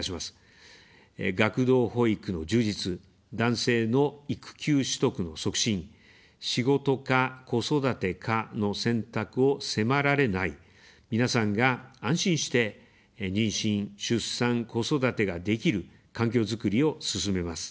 学童保育の充実、男性の育休取得の促進、「仕事か子育てか」の選択を迫られない、皆さんが安心して妊娠、出産、子育てができる環境づくりを進めます。